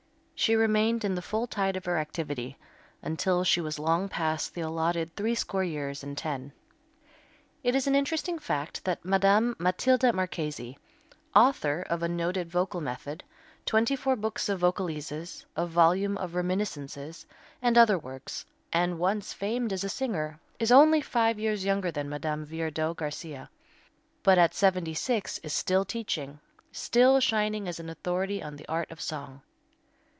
She remained in the full tide of her activity until she was long past the allotted threescore years and ten. It is an interesting fact that Madame Mathilde Marchesi, author of a noted vocal method, 24 books of Vocalises, a volume of reminiscences, and other works, and once famed as a singer, is only five years younger than Madame Viardot Garcia, but at seventy six is still teaching still shining as an authority on the art of song.